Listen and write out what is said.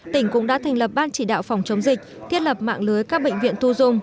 tỉnh cũng đã thành lập ban chỉ đạo phòng chống dịch thiết lập mạng lưới các bệnh viện thu dung